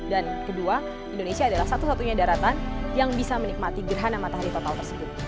dan kedua indonesia adalah satu satunya daratan yang bisa menikmati gerhana matahari total tersebut